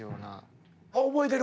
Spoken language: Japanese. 覚えてる？